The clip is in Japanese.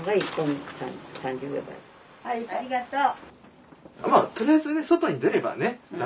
はいありがとう。